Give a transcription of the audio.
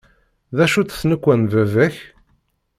D acu-tt tnekwa n baba-k?